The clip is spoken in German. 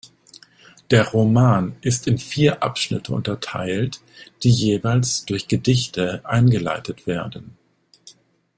Der Roman ist in vier Abschnitte unterteilt, die jeweils durch Gedichte eingeleitet werden.